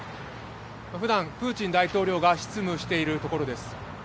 ふだん、プーチン大統領が執務をしているところです。